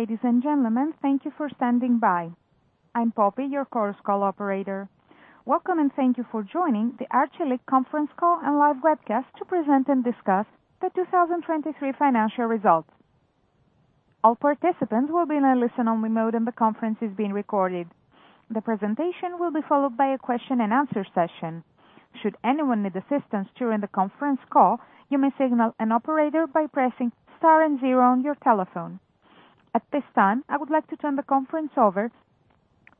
Ladies and gentlemen, thank you for standing by. I'm Poppy, your Chorus Call operator. Welcome, and thank you for joining the Arçelik conference call and live webcast to present and discuss the 2023 Financial Results. All participants will be in a listen-only mode, and the conference is being recorded. The presentation will be followed by a question and answer session. Should anyone need assistance during the conference call, you may signal an operator by pressing star and zero on your telephone. At this time, I would like to turn the conference over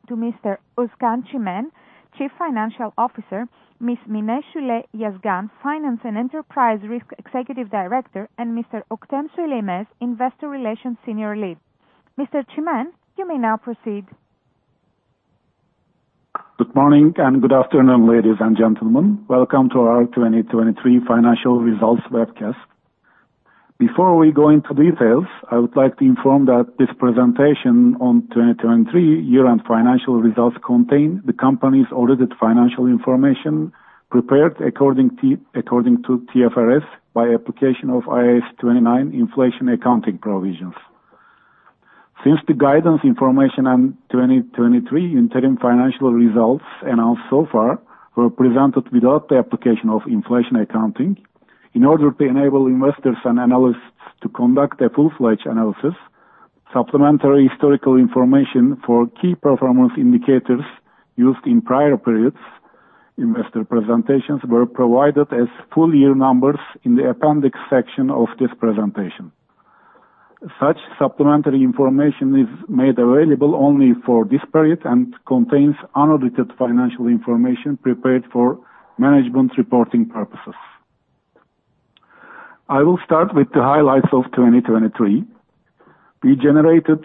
to Mr. Özkan Çimen, Chief Financial Officer, Ms. Mine Şule Yazgan, Finance and Enterprise Risk Executive Director, and Özlem Aksoy, Investor Relations Senior Lead. Mr. Çimen, you may now proceed. Good morning and good afternoon, ladies and gentlemen. Welcome to our 2023 Financial Results webcast. Before we go into details, I would like to inform that this presentation on 2023 year-end financial results contain the company's audited financial information, prepared according to TFRS, by application of IAS 29 inflation accounting provisions. Since the guidance information on 2023 interim financial results announced so far were presented without the application of inflation accounting, in order to enable investors and analysts to conduct a full-fledged analysis, supplementary historical information for key performance indicators used in prior periods, investor presentations were provided as full year numbers in the appendix section of this presentation. Such supplementary information is made available only for this period and contains unaudited financial information prepared for management reporting purposes. I will start with the highlights of 2023. We generated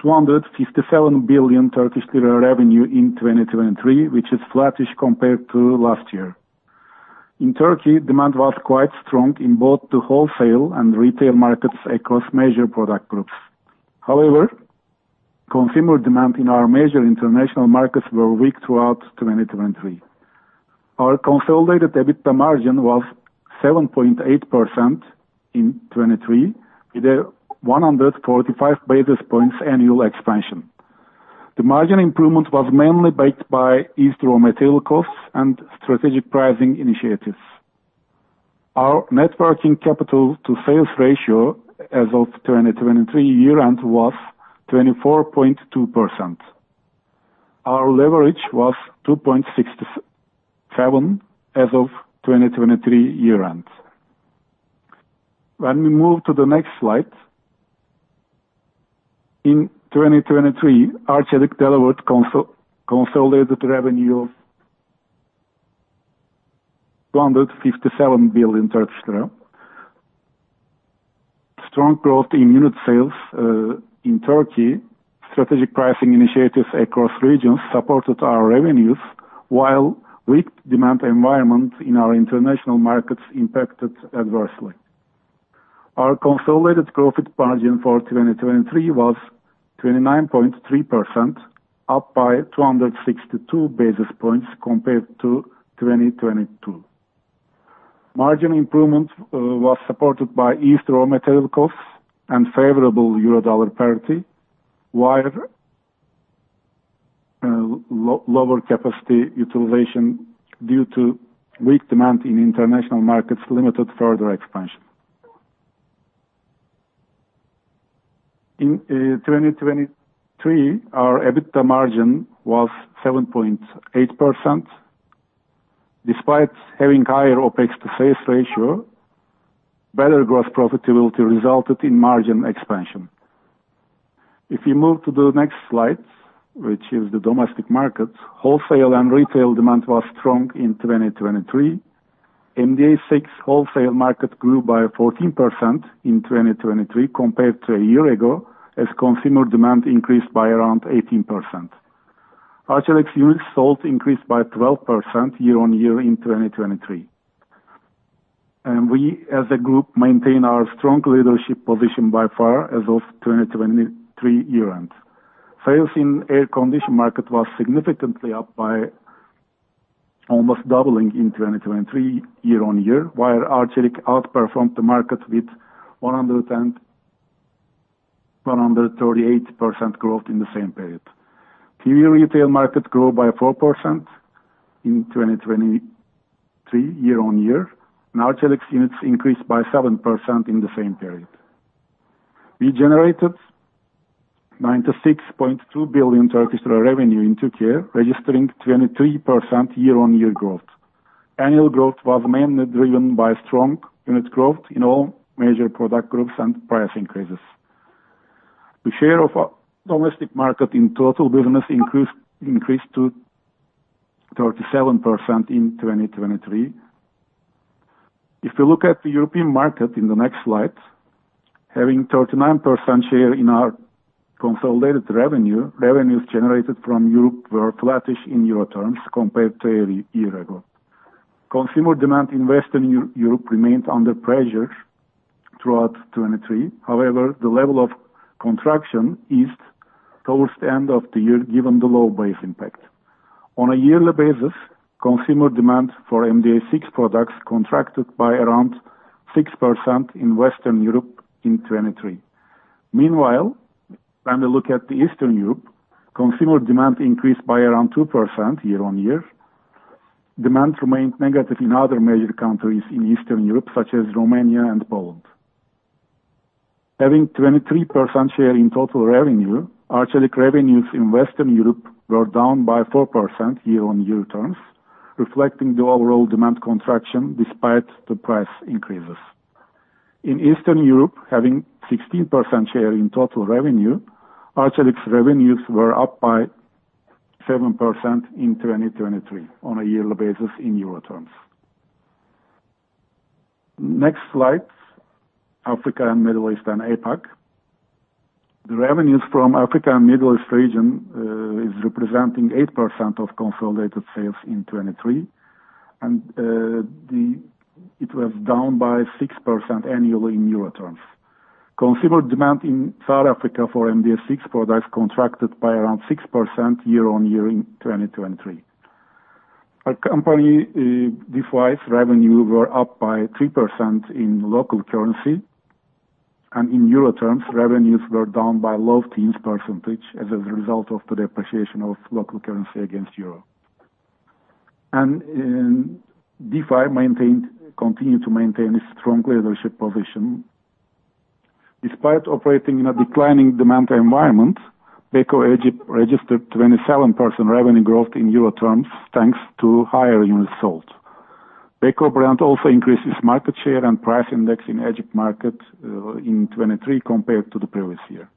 257 billion Turkish lira revenue in 2023, which is flattish compared to last year. In Turkey, demand was quite strong in both the wholesale and retail markets across major product groups. However, consumer demand in our major international markets were weak throughout 2023. Our consolidated EBITDA margin was 7.8% in 2023, with a 145 basis points annual expansion. The margin improvement was mainly backed by easing raw material costs and strategic pricing initiatives. Our net working capital to sales ratio as of 2023 year-end was 24.2%. Our leverage was 2.67 as of 2023 year-end. When we move to the next slide, in 2023, Arçelik delivered consolidated revenue of 257 billion. Strong growth in unit sales in Turkey. Strategic pricing initiatives across regions supported our revenues, while weak demand environment in our international markets impacted adversely. Our consolidated profit margin for 2023 was 29.3%, up by 262 basis points compared to 2022. Margin improvement was supported by eased raw material costs and favorable euro/dollar parity, while lower capacity utilization due to weak demand in international markets limited further expansion. In 2023, our EBITDA margin was 7.8%. Despite having higher OpEx to sales ratio, better gross profitability resulted in margin expansion. If you move to the next slide, which is the domestic market, wholesale and retail demand was strong in 2023. MDA 6 wholesale market grew by 14% in 2023 compared to a year ago, as consumer demand increased by around 18%. Arçelik units sold increased by 12% year-on-year in 2023, and we as a group maintain our strong leadership position by far as of 2023 year-end. Sales in air condition market was significantly up by almost doubling in 2023 year-on-year, while Arçelik outperformed the market with 101% and 138% growth in the same period. TV retail market grew by 4% in 2023 year-on-year, and Arçelik units increased by 7% in the same period. We generated TRY 96.2 billion revenue in Turkey, registering 23% year-on-year growth. Annual growth was mainly driven by strong unit growth in all major product groups and price increases. The share of our domestic market in total business increased to 37% in 2023. If you look at the European market in the next slide, having 39% share in our consolidated revenue, revenues generated from Europe were flattish in EUR terms compared to a year ago. Consumer demand in Western Europe remained under pressure throughout 2023. However, the level of contraction is towards the end of the year, given the low base impact, on a yearly basis, consumer demand for MDA6 products contracted by around 6% in Western Europe in 2023. Meanwhile, when we look at Eastern Europe, consumer demand increased by around 2% year-on-year. Demand remained negative in other major countries in Eastern Europe, such as Romania and Poland. Having 23% share in total revenue, Arçelik revenues in Western Europe were down by 4% year-on-year terms, reflecting the overall demand contraction despite the price increases. In Eastern Europe, having 16% share in total revenue, Arçelik's revenues were up by 7% in 2023 on a yearly basis in euro terms. Next slide, Africa and Middle East and APAC. The revenues from Africa and Middle East region is representing 8% of consolidated sales in 2023, and it was down by 6% annually in euro terms. Consumer demand in South Africa for MDA6 products contracted by around 6% year-on-year in 2023. Our company, Defy's revenue were up by 3% in local currency, and in euro terms, revenues were down by low teens percentage as a result of the depreciation of local currency against euro. Defy maintained, continued to maintain a strong leadership position. Despite operating in a declining demand environment, Beko Egypt registered 27% revenue growth in EUR terms, thanks to higher units sold. Beko brand also increases market share and price index in Egypt market in 2023 compared to the previous year.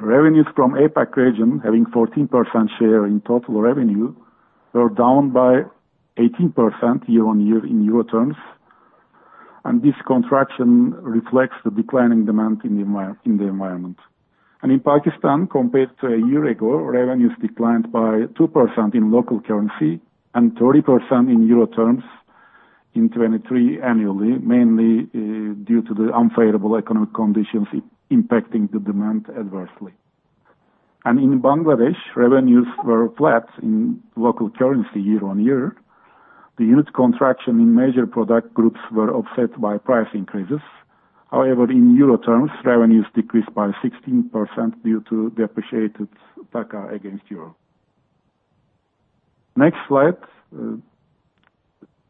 Revenues from APAC region, having 14% share in total revenue, were down by 18% year-on-year in EUR terms, and this contraction reflects the declining demand in the environment. In Pakistan, compared to a year ago, revenues declined by 2% in local currency and 30% in EUR terms in 2023 annually, mainly due to the unfavorable economic conditions impacting the demand adversely. In Bangladesh, revenues were flat in local currency year-on-year. The unit contraction in major product groups were offset by price increases. However, in euro terms, revenues decreased by 16% due to depreciated taka against euro. Next slide.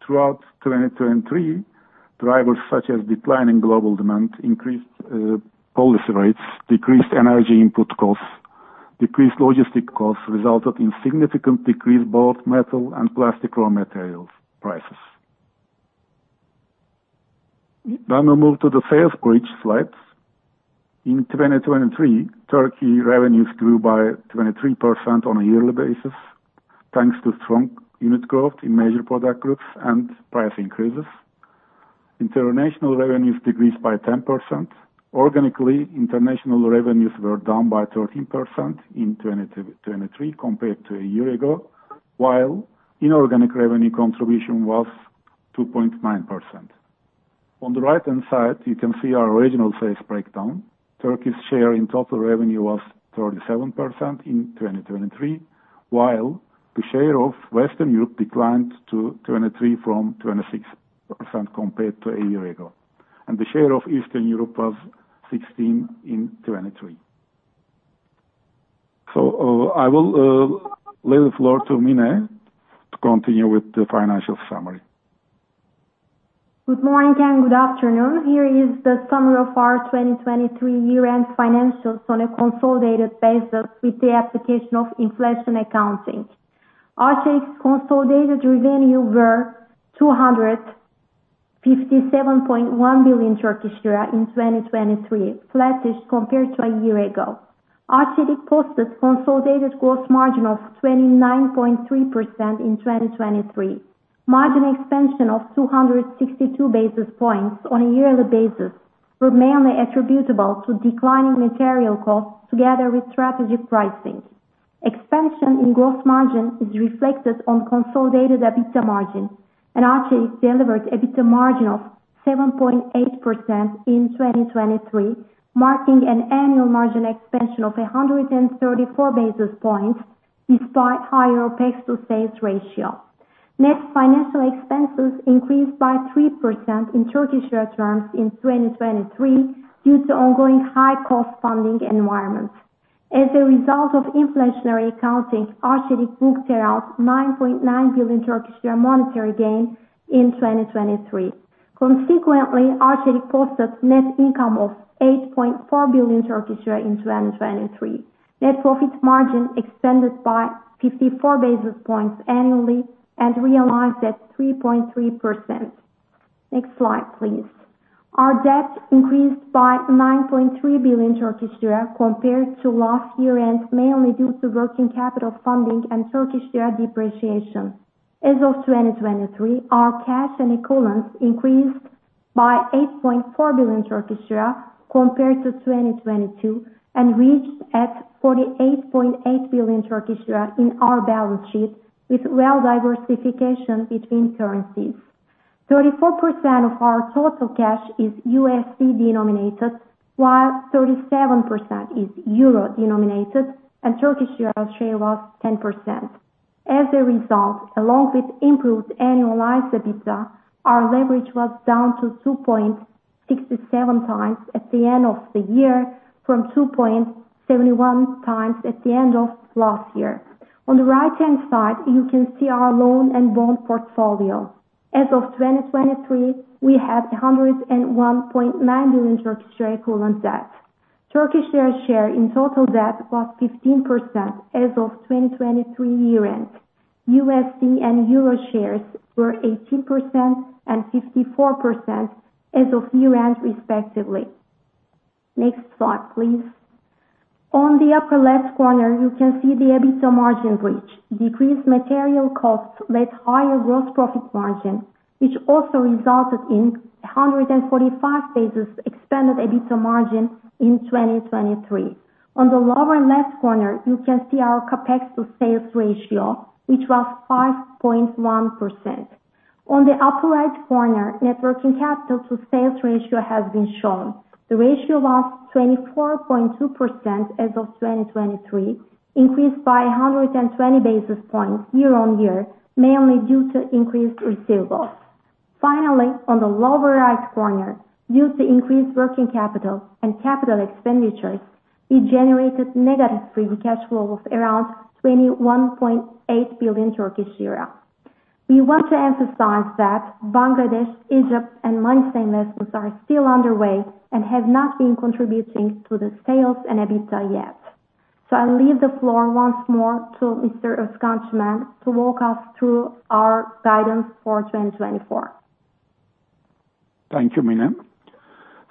Throughout 2023, drivers such as declining global demand, increased policy rates, decreased energy input costs, decreased logistics costs, resulted in significant decrease in both metal and plastic raw materials prices. Then we move to the sales bridge slides. In 2023, Turkey revenues grew by 23% on a yearly basis, thanks to strong unit growth in major product groups and price increases. International revenues decreased by 10%. Organically, international revenues were down by 13% in 2023 compared to a year ago, while inorganic revenue contribution was 2.9%. On the right-hand side, you can see our regional sales breakdown. Turkey's share in total revenue was 37% in 2023, while the share of Western Europe declined to 23% from 26% compared to a year ago, and the share of Eastern Europe was 16% in 2023. I will leave the floor to Mine to continue with the financial summary. Good morning and good afternoon. Here is the summary of our 2023 year-end financials on a consolidated basis with the application of inflation accounting. Arçelik's consolidated revenue were 257.1 billion Turkish lira in 2023, flattish compared to a year ago. Arçelik posted consolidated gross margin of 29.3% in 2023. Margin expansion of 262 basis points on a yearly basis were mainly attributable to declining material costs together with strategic pricing. Expansion in gross margin is reflected on consolidated EBITDA margin, and Arçelik delivered EBITDA margin of 7.8% in 2023, marking an annual margin expansion of 134 basis points despite higher OpEx to sales ratio. Net financial expenses increased by 3% in Turkish lira terms in 2023, due to ongoing high cost funding environment. As a result of inflationary accounting, Arçelik booked out 9.9 billion monetary gain in 2023. Consequently, Arçelik posted net income of 8.4 billion Turkish lira in 2023. Net profit margin expanded by fifty-four basis points annually and realized that 3.3%. Next slide, please. Our debt increased by 9.3 billion Turkish lira compared to last year, and mainly due to working capital funding and Turkish lira depreciation. As of 2023, our cash and equivalents increased by 8.4 billion Turkish lira compared to 2022, and reached at 48.8 billion Turkish lira in our balance sheet, with well diversification between currencies. 34% of our total cash is USD denominated, while 37% is euro denominated, and Turkish lira share was 10%. As a result, along with improved annualized EBITDA, our leverage was down to 2.67 times at the end of the year from 2.71 times at the end of last year. On the right-hand side, you can see our loan and bond portfolio. As of 2023, we had 101.9 billion Turkish lira equivalent debt. Turkish lira share in total debt was 15% as of 2023 year-end. USD and EUR shares were 18% and 54% as of year-end, respectively. Next slide, please. On the upper left corner, you can see the EBITDA margin bridge. Decreased material costs led higher gross profit margin, which also resulted in 145 basis expanded EBITDA margin in 2023. On the lower left corner, you can see our CapEx to sales ratio, which was 5.1%. On the upper right corner, net working capital to sales ratio has been shown. The ratio was 24.2% as of 2023, increased by 120 basis points year-on-year, mainly due to increased receivables. Finally, on the lower right corner, due to increased working capital and capital expenditures, we generated negative free cash flow of around 21.8 billion Turkish lira. We want to emphasize that Bangladesh, Egypt, and Manisa investments are still underway and have not been contributing to the sales and EBITDA yet. So I leave the floor once more to Mr. Özkan Çimen to walk us through our guidance for 2024. Thank you, Mine.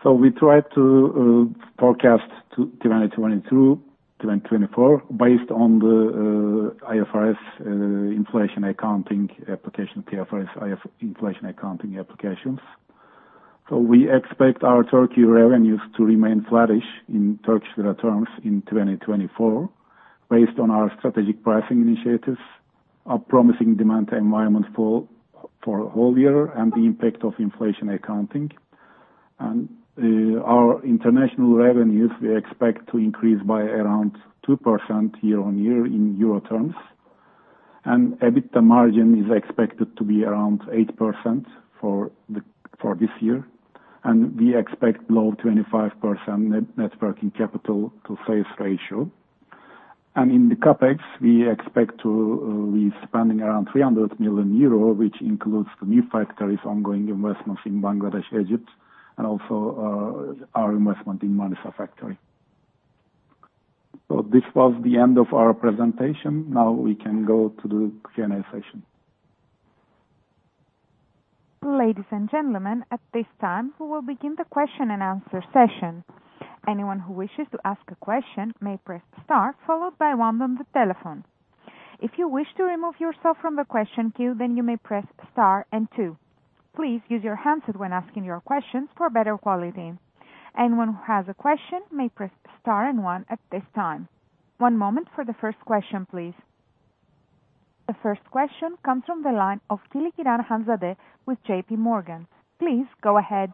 So we tried to forecast to 2022, 2024, based on the IFRS inflation accounting application, TFRS inflation accounting applications. So we expect our Turkey revenues to remain flattish in Turkish lira terms in 2024, based on our strategic pricing initiatives, a promising demand environment for whole year, and the impact of inflation accounting. Our international revenues, we expect to increase by around 2% year-on-year in euro terms. EBITDA margin is expected to be around 8% for this year, and we expect below 25% net working capital to sales ratio. In the CapEx, we expect to be spending around 300 million euro, which includes the new factories, ongoing investments in Bangladesh, Egypt, and also our investment in Manisa factory. This was the end of our presentation. Now we can go to the Q&A session. Ladies and gentlemen, at this time, we will begin the question and answer session. Anyone who wishes to ask a question may press star, followed by one on the telephone. If you wish to remove yourself from the question queue, then you may press star and two. Please use your handset when asking your questions for better quality. Anyone who has a question may press star and one at this time. One moment for the first question, please. The first question comes from the line of Hanzade Kılıçkıran with JPMorgan. Please go ahead.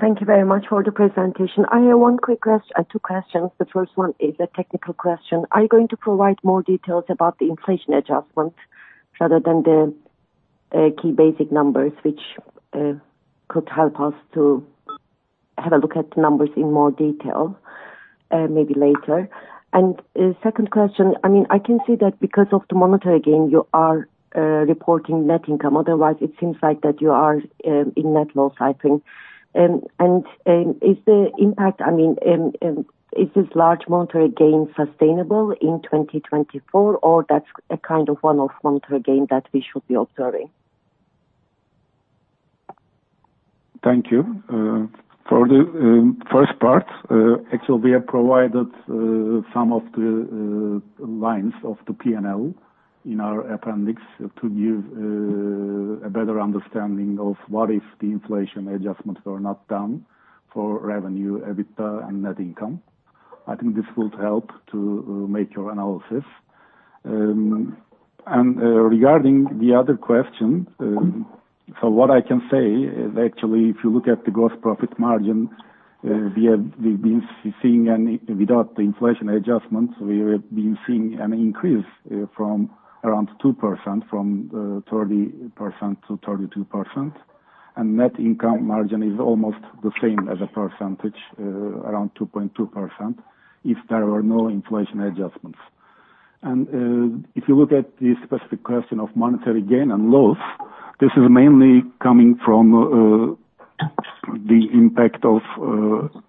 Thank you very much for the presentation. I have one quick question, two questions. The first one is a technical question. Are you going to provide more details about the inflation adjustment, rather than the key basic numbers, which could help us to have a look at the numbers in more detail, maybe later? And, second question, I mean, I can see that because of the monetary gain, you are reporting net income, otherwise it seems like that you are in net loss, I think. And, is this large monetary gain sustainable in 2024, or that's a kind of one-off monetary gain that we should be observing? Thank you. For the first part, actually, we have provided some of the lines of the P&L in our appendix to give a better understanding of what if the inflation adjustments are not done for revenue, EBITDA, and net income. I think this would help to make your analysis. Regarding the other question, so what I can say is actually, if you look at the gross profit margin, we've been seeing an increase without the inflation adjustments from around 2%, from 30% - 32%. Net income margin is almost the same as a percentage around 2.2%, if there were no inflation adjustments. If you look at the specific question of monetary gain and loss, this is mainly coming from the impact of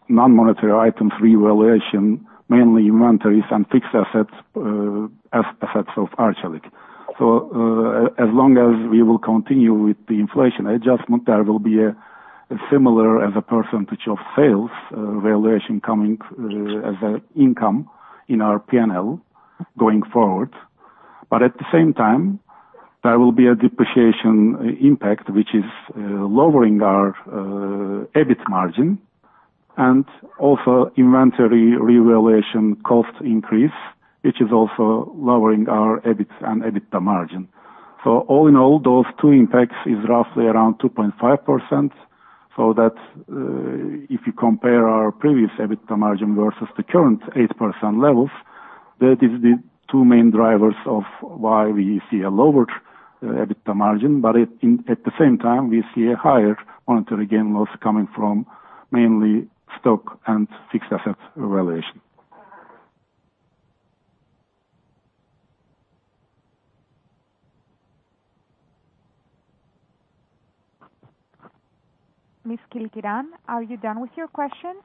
non-monetary items revaluation, mainly inventories and fixed assets, as effects of Arçelik. So as long as we will continue with the inflation adjustment, there will be a, a similar, as a percentage of sales, valuation coming, as a income in our P&L going forward. But at the same time, there will be a depreciation impact, which is lowering our EBITDA margin... and also inventory revaluation cost increase, which is also lowering our EBIT and EBITDA margin. So all in all, those two impacts is roughly around 2.5%, so that, if you compare our previous EBITDA margin versus the current 8% levels, that is the two main drivers of why we see a lower EBITDA margin. But it, at the same time, we see a higher monetary gain loss coming from mainly stock and fixed asset valuation. Ms. Kılıçkıran, are you done with your questions?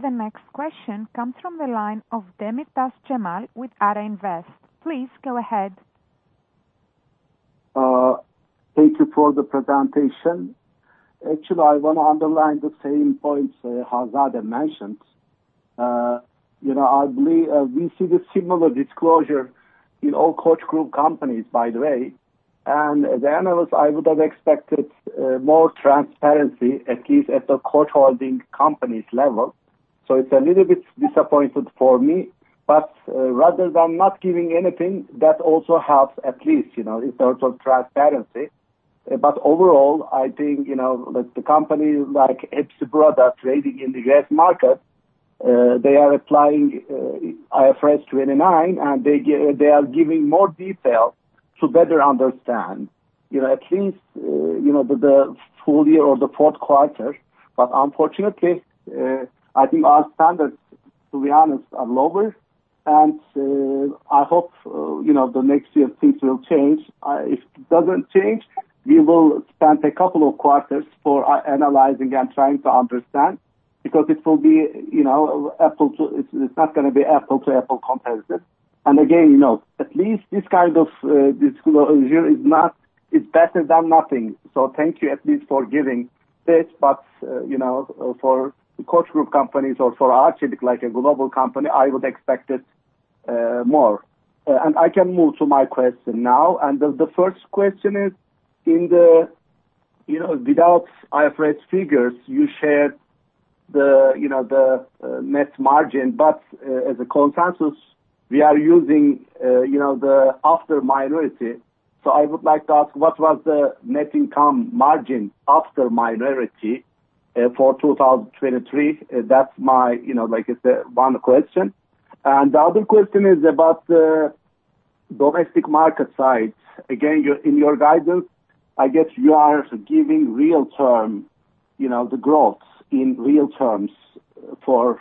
The next question comes from the line of Cemal Demirtaş with Ata Invest. Please go ahead. Thank you for the presentation. Actually, I wanna underline the same points, Hanzade mentioned. You know, I believe, we see the similar disclosure in all Koç Group companies, by the way, and as analyst, I would have expected, more transparency, at least at the Koç holding companies level. So it's a little bit disappointed for me, but, rather than not giving anything, that also helps, at least, you know, in terms of transparency. But overall, I think, you know, that the company, like EPS product trading in the U.S. market, they are applying, IFRS 29, and they give, they are giving more detail to better understand, you know, at least, you know, the, the full year or the Q4. But unfortunately, I think our standards, to be honest, are lower, and, I hope, you know, the next year things will change. If it doesn't change, we will spend a couple of quarters analyzing and trying to understand, because it will be, you know, apple to... It's not gonna be apple to apple comparison. And again, you know, at least this kind of disclosure is better than nothing. So thank you at least for giving this, but, you know, for the Koç Group companies or for Arçelik, like a global company, I would expect it more. And I can move to my question now. The first question is, you know, without IFRS figures, you shared the, you know, the net margin, but as a consensus, we are using, you know, the after minority. So I would like to ask, what was the net income margin after minority for 2023? That's my, you know, like I said, one question. And the other question is about the domestic market side. Again, in your guidance, I guess you are giving real term, you know, the growth in real terms for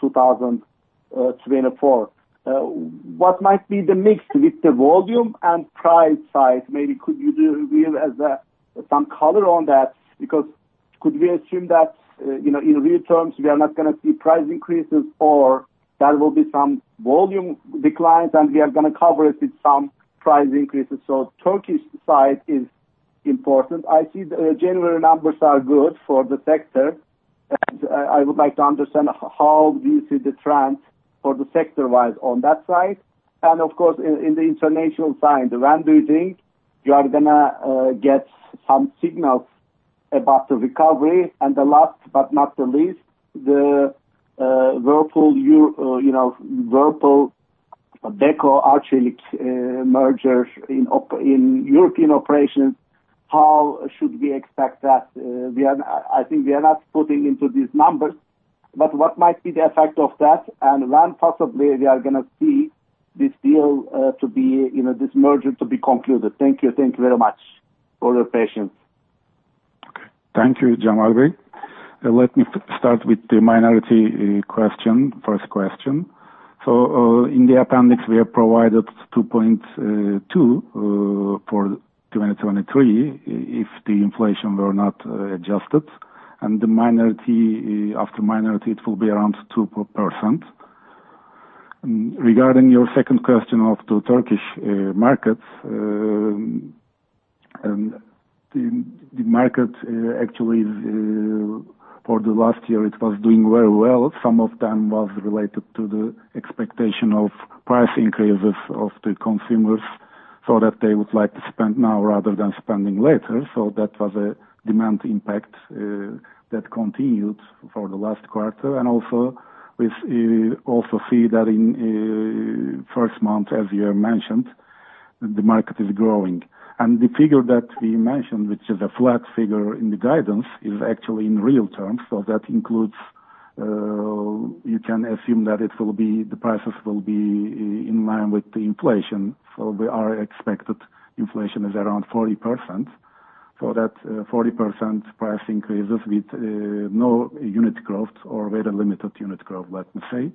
2024. What might be the mix with the volume and price side? Maybe could you reveal us some color on that? Because could we assume that, you know, in real terms, we are not gonna see price increases, or there will be some volume declines, and we are gonna cover it with some price increases? So Turkey's side is important. I see the January numbers are good for the sector, and I would like to understand how we see the trend for the sector-wide on that side. And of course, in the international side, the R&D thing, you are gonna get some signals about the recovery. And the last but not the least, the Whirlpool, you know, Whirlpool, Beko, Arçelik merger in European operations, how should we expect that? We are, I, I think we are not putting into these numbers, but what might be the effect of that, and when possibly we are gonna see this deal, to be, you know, this merger to be concluded? Thank you. Thank you very much for your patience. Thank you, Cemal. Let me start with the minority question, first question. So, in the appendix, we have provided two point two for 2023, if the inflation were not adjusted, and the minority, after minority, it will be around 2%. Regarding your second question of the Turkish market, the market actually for the last year, it was doing very well. Some of them was related to the expectation of price increases of the consumers, so that they would like to spend now rather than spending later. So that was a demand impact that continued for the last quarter. And also, we also see that in first month, as you have mentioned, the market is growing. The figure that we mentioned, which is a flat figure in the guidance, is actually in real terms. So that includes, you can assume that it will be, the prices will be in line with the inflation. So we are expected inflation is around 40%. So that, 40% price increases with, no unit growth or very limited unit growth, let me say,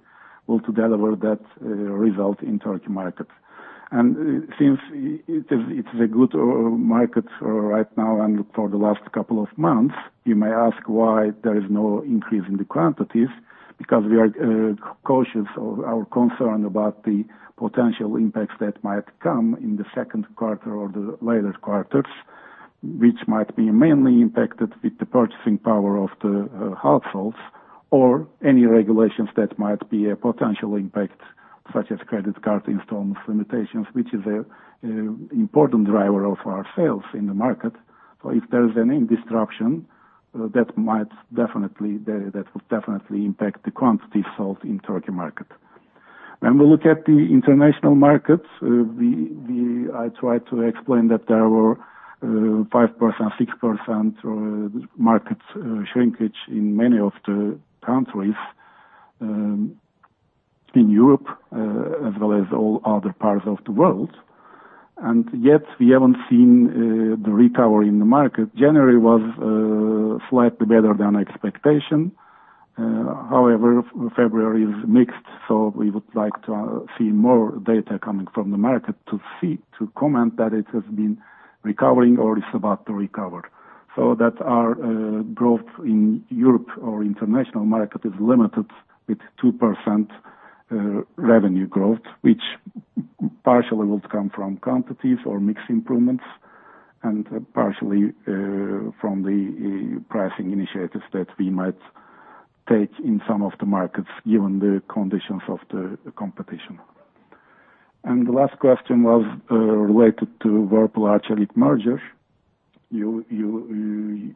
will together with that, result in Turkish market. And, since it is, it's a good market, right now and for the last couple of months, you may ask why there is no increase in the quantities, because we are cautious or are concerned about the potential impacts that might come in the Q2 or the later quarters. which might be mainly impacted with the purchasing power of the households or any regulations that might be a potential impact, such as credit card installments limitations, which is a important driver of our sales in the market. So if there is any disruption, that might definitely that would definitely impact the quantity sold in Turkey market. When we look at the international markets, I tried to explain that there were 5%, 6% market shrinkage in many of the countries, in Europe, as well as all other parts of the world. And yet we haven't seen the recovery in the market. January was slightly better than expectation. However, February is mixed, so we would like to see more data coming from the market to see, to comment that it has been recovering or is about to recover. So that our growth in Europe or international market is limited with 2% revenue growth, which partially would come from quantities or mix improvements, and partially from the pricing initiatives that we might take in some of the markets, given the conditions of the competition. And the last question was related to Whirlpool Arçelik merger. You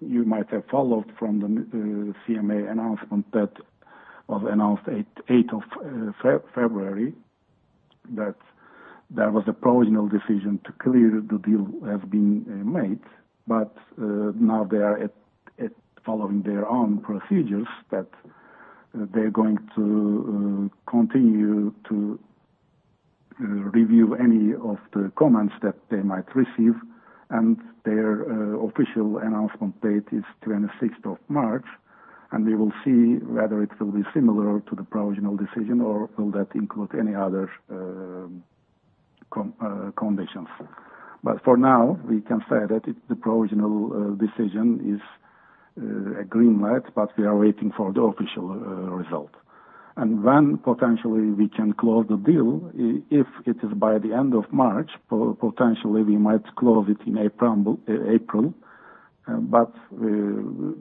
might have followed from the CMA announcement that was announced eighth of February, that there was a provisional decision to clear the deal has been made. But now they are following their own procedures that they're going to continue to review any of the comments that they might receive. And their official announcement date is twenty-sixth of March, and we will see whether it will be similar to the provisional decision, or will that include any other conditions. But for now, we can say that it, the provisional decision is a green light, but we are waiting for the official result. And when potentially we can close the deal, if it is by the end of March, potentially we might close it in April, April. But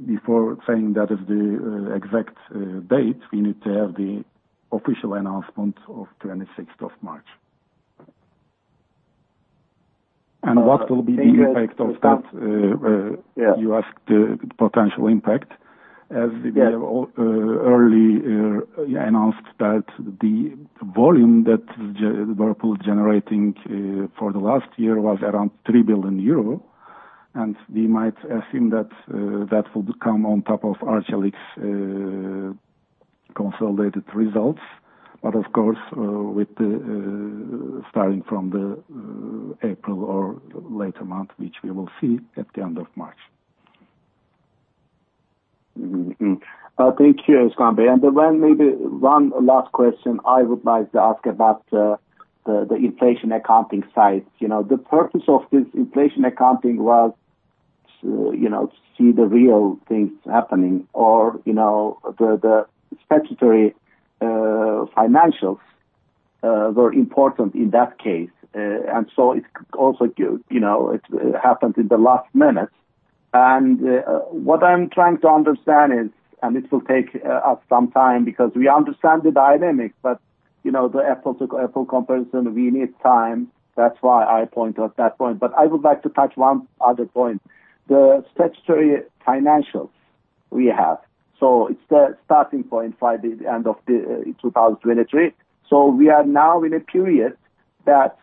before saying that is the exact date, we need to have the official announcement of March 26th. And what will be the impact of that? Uh, yeah. You asked the potential impact. Yeah. As we have already announced, that the volume that the Whirlpool generating for the last year was around 3 billion euro, and we might assume that that would come on top of Arçelik's consolidated results. But of course, with the starting from the April or later month, which we will see at the end of March. Mm-hmm. Thank you, Özkan. Then maybe one last question I would like to ask about the inflation accounting side. You know, the purpose of this inflation accounting was to, you know, see the real things happening or, you know, the statutory financials were important in that case. And so it also give, you know, it happened in the last minute. What I'm trying to understand is, it will take us some time, because we understand the dynamic, but, you know, the apple to apple comparison, we need time, that's why I point out that point. But I would like to touch one other point, the statutory financials we have. So it's the starting point by the end of 2023. So we are now in a period that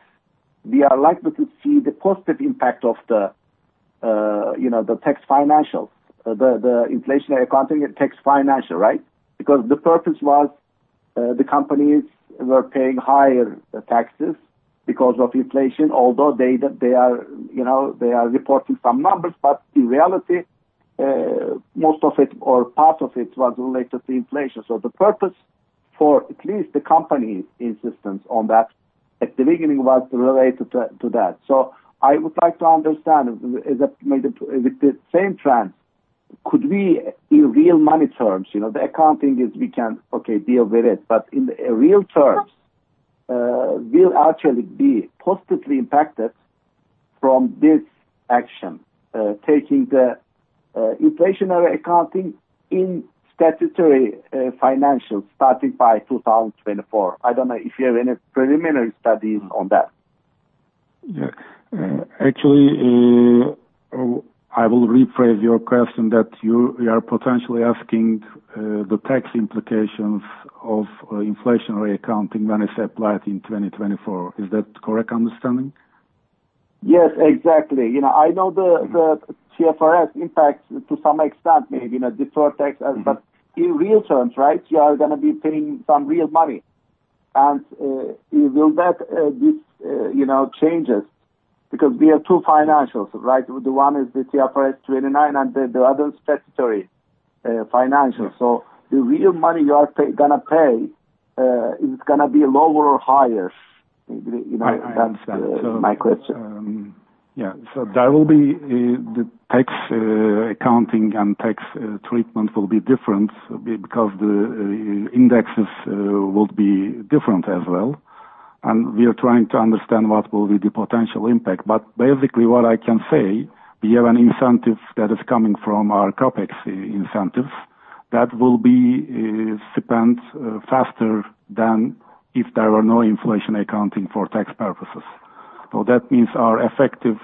we are likely to see the positive impact of the, you know, the tax financials, the inflationary accounting and tax financial, right? Because the purpose was, the companies were paying higher taxes because of inflation, although they are, you know, they are reporting some numbers, but in reality, most of it or part of it was related to inflation. So the purpose for at least the company's insistence on that, at the beginning, was related to that. So I would like to understand, is that maybe with the same trend, could we, in real money terms, you know, the accounting is we can, okay, deal with it, but in real terms, will Arçelik be positively impacted from this action, taking the inflationary accounting in statutory financials starting by 2024? I don't know if you have any preliminary studies on that. Yeah. Actually, I will rephrase your question that you are potentially asking, the tax implications of inflationary accounting when it's applied in 2024. Is that correct understanding? Yes, exactly. You know, I know the TFRS impacts to some extent, maybe, you know, deferred tax. Mm-hmm. But in real terms, right, you are gonna be paying some real money. And will that, this, you know, changes? Because we have two financials, right? The one is the IAS 29, and the other is statutory financials. Yeah. So the real money you are gonna pay is gonna be lower or higher? You know, that's- I understand.... my question. Yeah. So that will be the tax accounting and tax treatment will be different because the indexes will be different as well.... and we are trying to understand what will be the potential impact. But basically what I can say, we have an incentive that is coming from our CapEx incentives that will be spent faster than if there were no inflation accounting for tax purposes. So that means our effective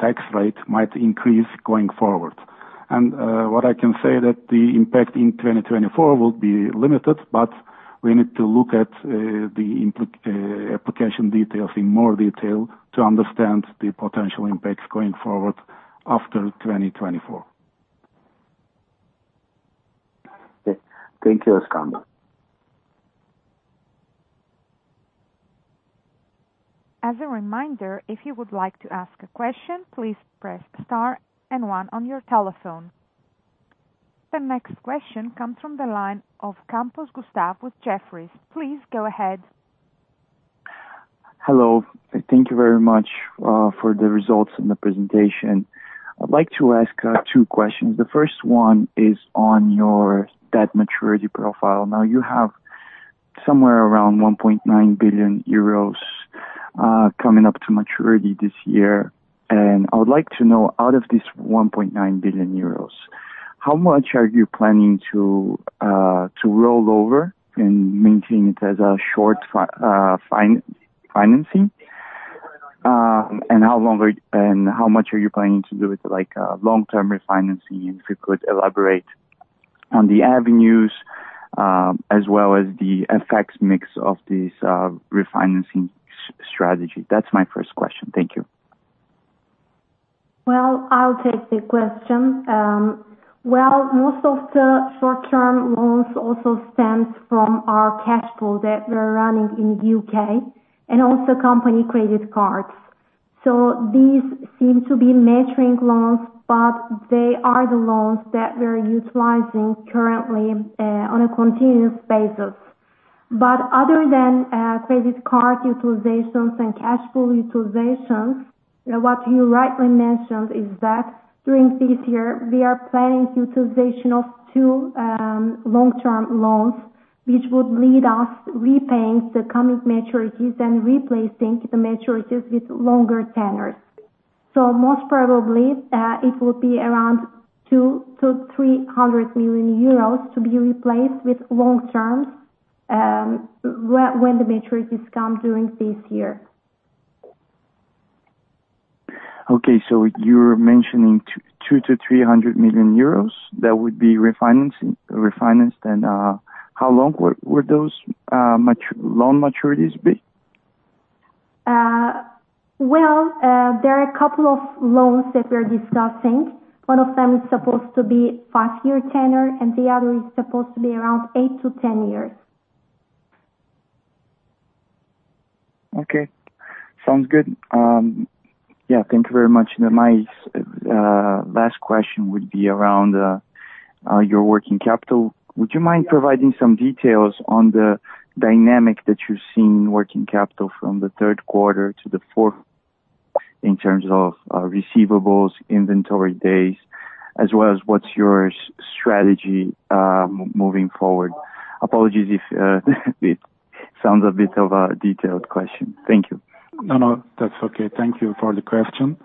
tax rate might increase going forward. And what I can say that the impact in 2024 will be limited, but we need to look at the application details in more detail to understand the potential impacts going forward after 2024. Okay. Thank you, Özkan. As a reminder, if you would like to ask a question, please press star and one on your telephone. The next question comes from the line of Gustavo Campos with Jefferies. Please go ahead. Hello, thank you very much for the results and the presentation. I'd like to ask 2 questions. The first one is on your debt maturity profile. Now, you have somewhere around 1.9 billion euros coming up to maturity this year. And I would like to know, out of this 1.9 billion euros, how much are you planning to roll over and maintain it as a short financing? And how much are you planning to do with, like, long-term refinancing? And if you could elaborate on the avenues, as well as the FX mix of this refinancing strategy. That's my first question. Thank you. Well, I'll take the question. Well, most of the short-term loans also stems from our cash pool that we're running in the UK and also company credit cards. So these seem to be maturing loans, but they are the loans that we're utilizing currently, on a continuous basis. But other than credit card utilizations and cash pool utilizations, what you rightly mentioned is that during this year we are planning utilization of two long-term loans, which would lead us repaying the coming maturities and replacing the maturities with longer tenors. So most probably, it will be around 200 million-300 million euros to be replaced with long term when the maturities come during this year. Okay. So you're mentioning 200 million-300 million euros that would be refinancing, refinanced. And how long would those loan maturities be? Well, there are a couple of loans that we're discussing. One of them is supposed to be five-year tenor, and the other is supposed to be around eight-10 years. Okay, sounds good. Yeah, thank you very much. Now, my last question would be around your working capital. Would you mind providing some details on the dynamic that you're seeing working capital from the Q3 to the Q4, in terms of receivables, inventory days, as well as what's your strategy moving forward? Apologies if it sounds a bit of a detailed question. Thank you. No, no, that's okay. Thank you for the question.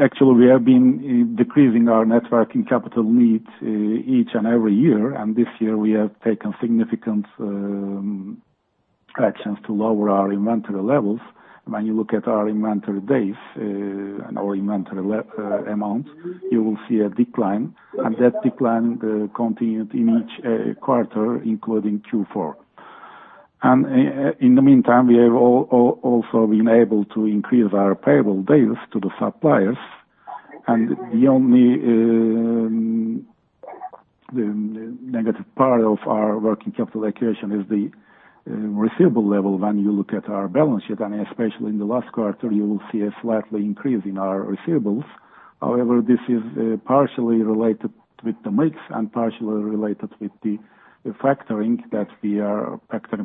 Actually, we have been decreasing our net working capital needs each and every year, and this year we have taken significant actions to lower our inventory levels. When you look at our inventory days and our inventory amounts, you will see a decline. And that decline continued in each quarter, including Q4. And in the meantime, we have also been able to increase our payable days to the suppliers. And the only negative part of our working capital allocation is the receivable level. When you look at our balance sheet, and especially in the last quarter, you will see a slightly increase in our receivables. However, this is partially related with the mix and partially related with the factoring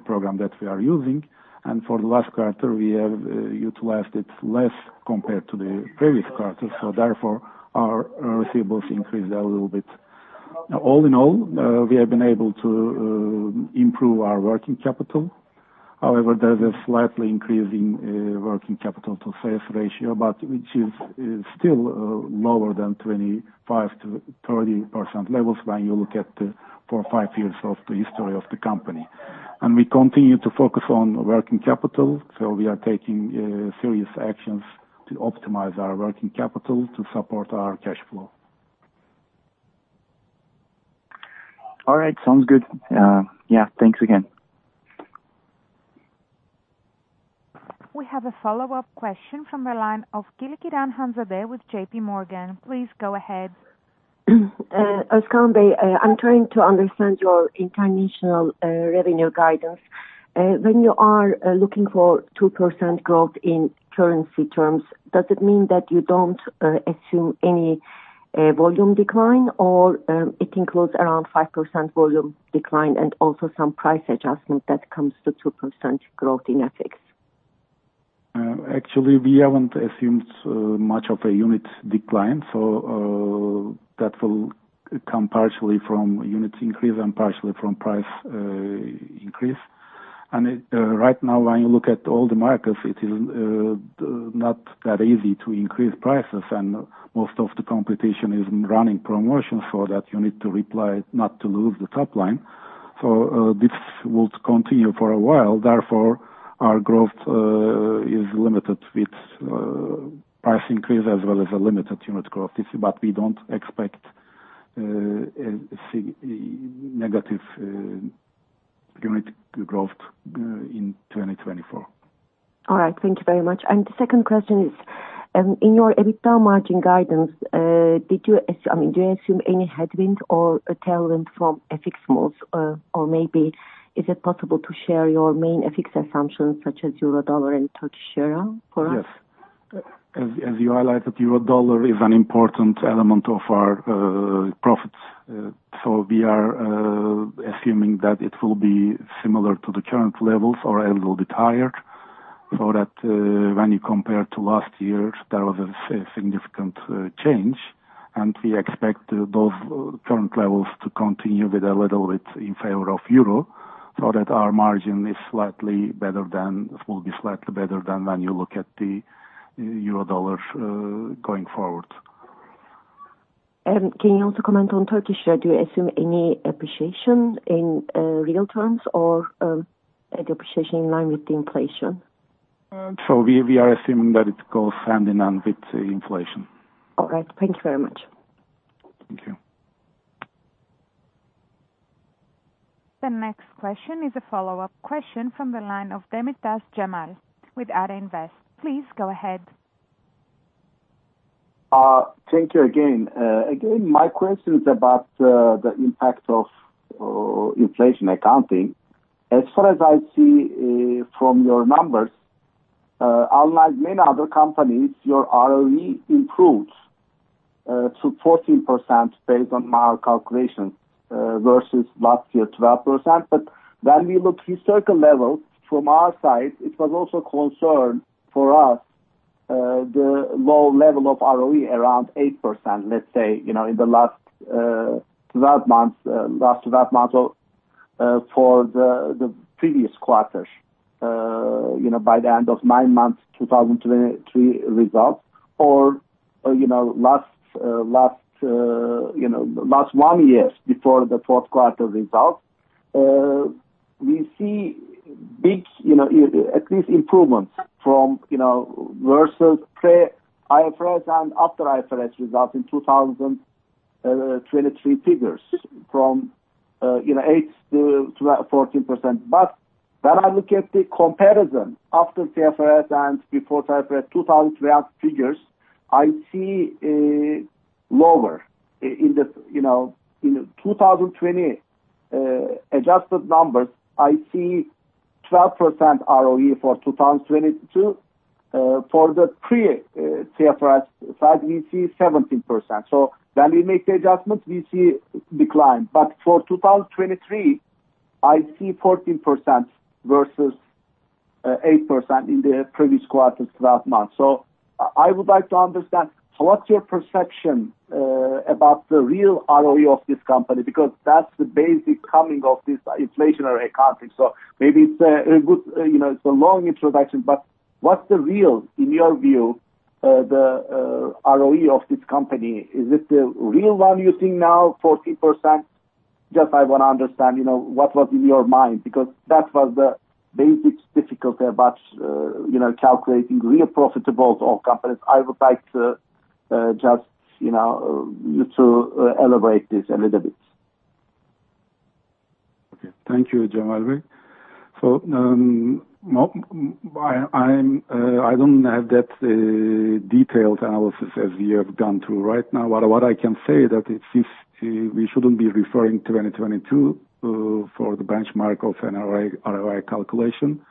program that we are using. And for the last quarter, we have utilized it less compared to the previous quarter, so therefore, our receivables increased a little bit. All in all, we have been able to improve our working capital. However, there's a slightly increase in working capital to sales ratio, but which is still lower than 25%-30% levels when you look at the four, five years of the history of the company. And we continue to focus on working capital, so we are taking serious actions to optimize our working capital to support our cash flow. All right. Sounds good. Yeah, thanks again. We have a follow-up question from the line of Hanzade Kılıçkıran with JP Morgan. Please go ahead. Özkan, I'm trying to understand your international revenue guidance. When you are looking for 2% growth in currency terms, does it mean that you don't assume any volume decline, or it includes around 5% volume decline and also some price adjustment that comes to 2% growth in ethics? Actually, we haven't assumed much of a unit decline, so that will come partially from unit increase and partially from price increase. And it, right now, when you look at all the markets, it is not that easy to increase prices, and most of the competition is running promotions for that. You need to reply not to lose the top line. So this will continue for a while. Therefore, our growth is limited with price increase as well as a limited unit growth. But we don't expect negative unit growth in 2024. All right. Thank you very much. And the second question is, in your EBITDA margin guidance, did you, I mean, do you assume any headwind or a tailwind from FX moves? Or maybe is it possible to share your main FX assumptions, such as Euro dollar and Turkish lira for us? Yes. As you highlighted, euro-dollar is an important element of our profits. So we are assuming that it will be similar to the current levels or a little bit higher, so that when you compare to last year, there was a significant change. And we expect those current levels to continue with a little bit in favor of euro, so that our margin is slightly better than, will be slightly better than when you look at the euro-dollar going forward. Can you also comment on Turkish lira? Do you assume any appreciation in real terms, or any appreciation in line with the inflation? So, we are assuming that it goes hand in hand with inflation. All right. Thank you very much. Thank you. The next question is a follow-up question from the line of Cemal Demirtaş with Ata Invest. Please go ahead. Thank you again. Again, my question is about the impact of inflation accounting. As far as I see from your numbers, unlike many other companies, your ROE improved to 14% based on my calculation versus last year, 12%. But when we look through certain levels from our side, it was also concern for us the low level of ROE, around 8%, let's say, you know, in the last twelve months, last twelve months or for the previous quarters. You know, by the end of nine months, 2023 results or you know, last one years before the Q4 results. We see big, you know, at least improvements from, you know, versus pre-IFRS and after IFRS results in 2023 figures from, you know, 8%-14%. But when I look at the comparison after TFRS and before TFRS 2012 figures, I see a lower in the, you know, in the 2020 adjusted numbers, I see 12% ROE for 2022. For the pre-TFRS side, we see 17%. So when we make the adjustment, we see decline. But for 2023, I see 14% versus 8% in the previous quarters last month. So I would like to understand, so what's your perception about the real ROE of this company? Because that's the basic coming of this inflationary accounting. So maybe it's a good, you know, it's a long introduction, but what's the real, in your view, the ROE of this company? Is it the real one you're seeing now, 14%? Just, I want to understand, you know, what was in your mind, because that was the basic difficulty about, you know, calculating real profitable of companies. I would like to just, you know, you to elaborate this a little bit. Okay. Thank you, Cemal. So, no, I'm, I don't have that detailed analysis as you have gone through right now. What I can say is that it seems we shouldn't be referring 2022 for the benchmark of an ROE calculation.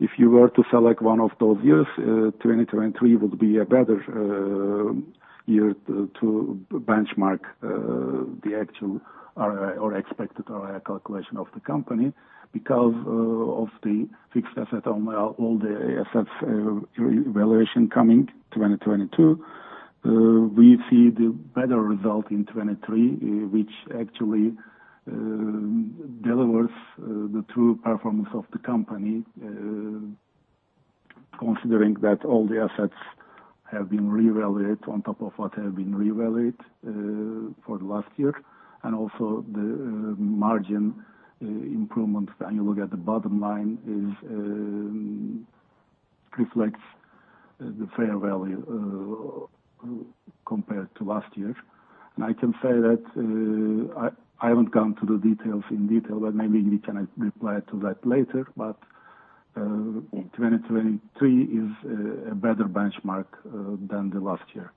If you were to select one of those years, 2023 would be a better year to benchmark the actual ROE or expected ROE calculation of the company. Because of the fixed asset or all the assets revaluation coming 2022, we see the better result in 2023, which actually delivers the true performance of the company, considering that all the assets have been reevaluated on top of what have been reevaluated for the last year. Also the margin improvement, when you look at the bottom line is reflects the fair value compared to last year. And I can say that I haven't gone through the details in detail, but maybe we can reply to that later. But 2023 is a better benchmark than the last year.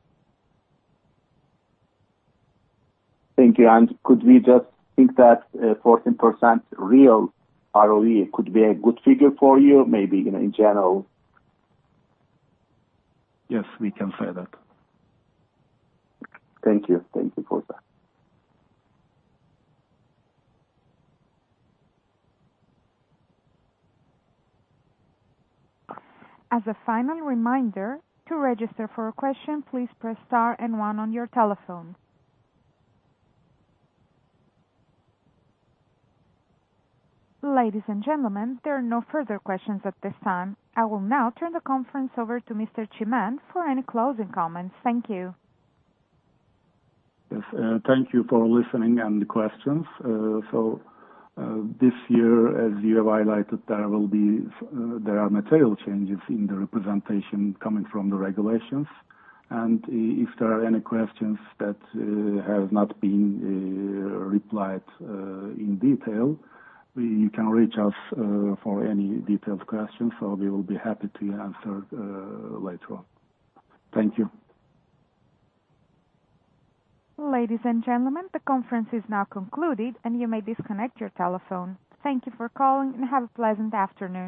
Thank you. And could we just think that, 14% real ROE could be a good figure for you, maybe, you know, in general? Yes, we can say that. Thank you. Thank you for that. As a final reminder, to register for a question, please press star and one on your telephone. Ladies and gentlemen, there are no further questions at this time. I will now turn the conference over to Mr. Çimen for any closing comments. Thank you. Yes, thank you for listening and the questions. So, this year, as you have highlighted, there will be there are material changes in the representation coming from the regulations. And if there are any questions that have not been replied in detail, you can reach us for any detailed questions, so we will be happy to answer later on. Thank you. Ladies and gentlemen, the conference is now concluded, and you may disconnect your telephone. Thank you for calling, and have a pleasant afternoon.